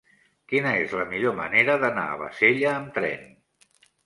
Quina és la millor manera d'anar a Bassella amb tren?